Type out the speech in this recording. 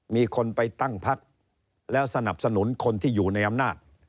มีคนไปตั้งพักแล้วสนับสนุนคนที่อยู่ในอำนาจ